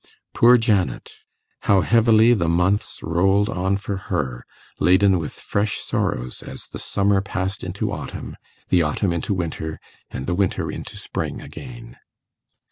Poor Janet! how heavily the months rolled on for her, laden with fresh sorrows as the summer passed into autumn, the autumn into winter, and the winter into spring again.